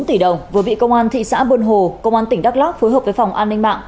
bốn tỷ đồng vừa bị công an thị xã buôn hồ công an tỉnh đắk lắk phối hợp với phòng an ninh mạng